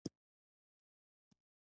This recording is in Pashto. د نیول شوي تصمیم اجرا کول.